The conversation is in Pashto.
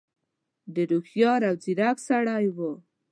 ډېر هوښیار او ځيرک سړی وو.